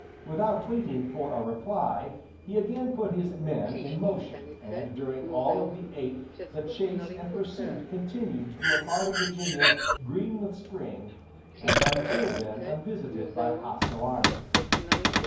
Without waiting for a reply, he again put his men in motion, and during all of the eighth the chase and pursuit continued through a part of Virginia green with spring, and until then unvisited by hostile armies.